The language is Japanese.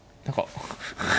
何か。